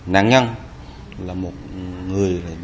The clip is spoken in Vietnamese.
nạn nhân là một người sống độc thân không sống chung với gia đình